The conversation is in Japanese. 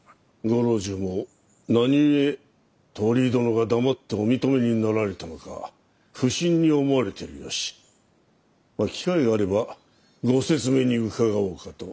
ご老中も何故鳥居殿が黙ってお認めになられたのか不審に思われてる由ま機会があればご説明に伺おうかと。